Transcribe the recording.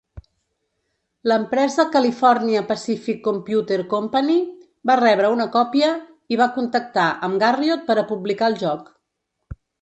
L'empresa Califòrnia Pacific Computer Company va rebre una còpia, i va contactar amb Garriott per a publicar el joc.